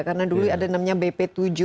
karena dulu ada namanya bp tujuh